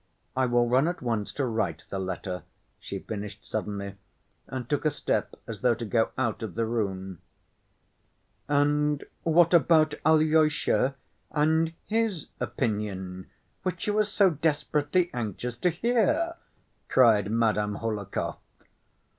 I will run at once to write the letter," she finished suddenly, and took a step as though to go out of the room. "And what about Alyosha and his opinion, which you were so desperately anxious to hear?" cried Madame Hohlakov.